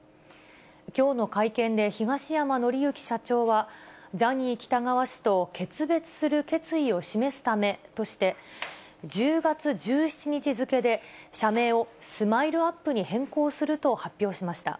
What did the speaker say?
きょうの会見で、東山紀之社長は、ジャニー喜多川氏と決別する決意を示すためとして、１０月１７日付で、社名をスマイルアップに変更すると発表しました。